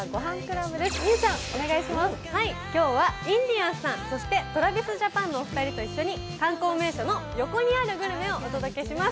今日はインディアンスさんそしてＴｒａｖｉｓＪａｐａｎのお二人と一緒に、観光名所の横にあるグルメをご紹介します。